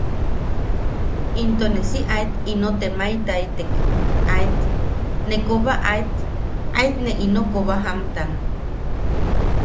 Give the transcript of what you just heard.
Into ne si aet ino temaetaitek aet, ne koba aet, aet ne ino koba jamtan.